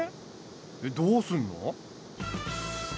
えっどうすんの？